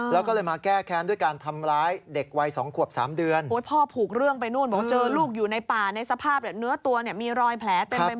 เหลือตัวมีรอยแผลเต็มไปหมด